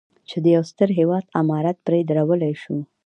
چې د یو ستر هېواد عمارت پرې درولی شو.